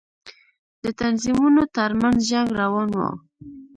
د تنظيمونو تر منځ جنگ روان و.